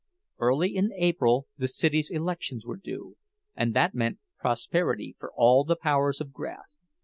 Early in April the city elections were due, and that meant prosperity for all the powers of graft.